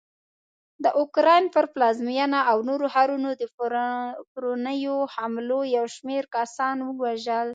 د اوکراین پر پلازمېنه او نورو ښارونو د پرونیو حملو یوشمېر کسان ووژل